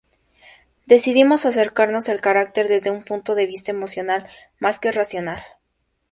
Decidimos acercarnos el carácter desde un punto de vista emocional más que racional.